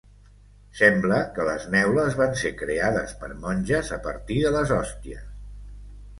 Sembla que les neules van ser creades per monges a partir de les hòsties.